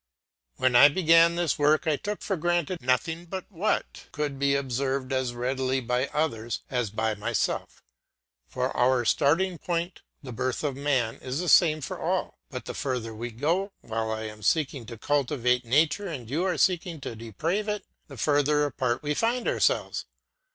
When I began this work I took for granted nothing but what could be observed as readily by others as by myself; for our starting point, the birth of man, is the same for all; but the further we go, while I am seeking to cultivate nature and you are seeking to deprave it, the further apart we find ourselves.